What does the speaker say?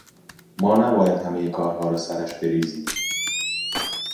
ما نباید همهٔ کارها را سرش بریزیم.